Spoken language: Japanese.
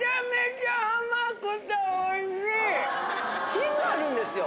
品があるんですよ